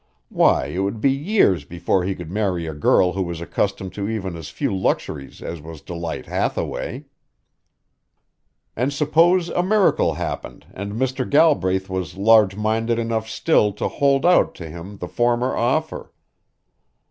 Why, it would be years before he could marry a girl who was accustomed to even as few luxuries as was Delight Hathaway! And suppose a miracle happened and Mr. Galbraith was large minded enough still to hold out to him the former offer?